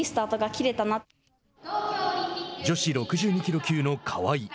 女子６２キロ級の川井。